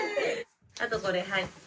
あとこれはい。